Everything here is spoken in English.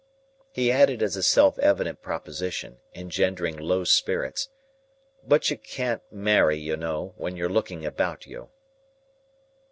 He added as a self evident proposition, engendering low spirits, "But you can't marry, you know, while you're looking about you."